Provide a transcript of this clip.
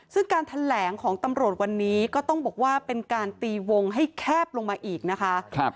ซึ่งการแถลงของตำรวจวันนี้ก็ต้องบอกว่าเป็นการตีวงให้แคบลงมาอีกนะคะ